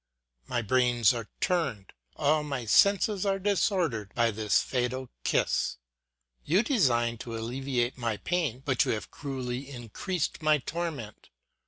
My brains are turned, all my senses are disordered by this fatal kiss. You designed to alleviate my pain, but you have cruelly increased my tor ment.